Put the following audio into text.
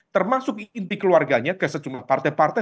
termasuk inti keluarganya ke sejumlah partai partai